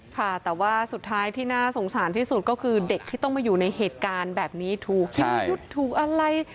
ค่ะแต่ว่าสุดท้ายที่น่าสงสารที่สุดก็คือเด็กที่ต้องมาอยู่ในเหตุการณ์แบบนี้ถูกชิ้นยุดถูกอะไร